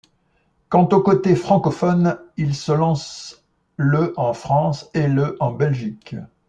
Quant aux côtés francophone, il se lance le en France et le en Belgique.